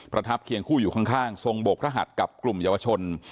ประทับเคียงคู่อยู่ข้างทรงโบกพระหัสกับกลุ่มเยาวชน